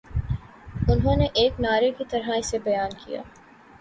انہوں نے ایک نعرے کی طرح اسے بیان کیا